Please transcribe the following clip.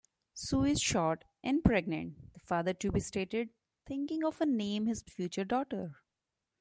"Sue is short and pregnant", the father-to-be stated, thinking of a name for his future daughter.